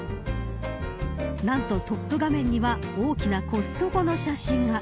何とトップ画面には大きなコストコの写真が。